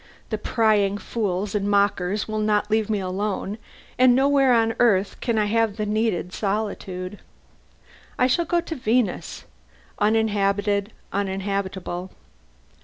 The prying fools and mockers will not leave me alone, and nowhere on Earth can I have the needed solitude. I shall go to Venus uninhabited, uninhabitable.